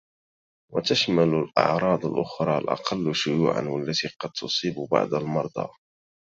وتشمل الأعراض الأخرى الأقل شيوعاً والتي قد تصيب بعض المرضى